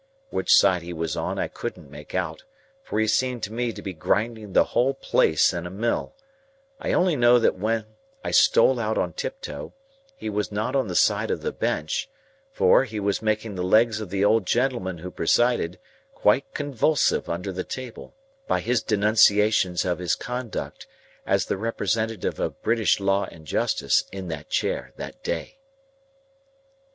Which side he was on I couldn't make out, for he seemed to me to be grinding the whole place in a mill; I only know that when I stole out on tiptoe, he was not on the side of the bench; for, he was making the legs of the old gentleman who presided, quite convulsive under the table, by his denunciations of his conduct as the representative of British law and justice in that chair that day.